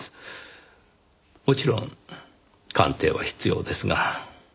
もちろん鑑定は必要ですが。